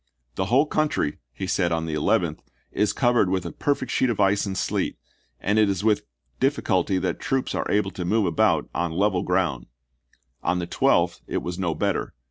" The whole country," he said, on the Army of the 11th, " is covered with a perfect sheet of ice bvoiaif' " anc* s^eet> an(^ ^ ^s w^n difficulty that troops are p 257 ' able to move about on level ground." On the 12th it was no better.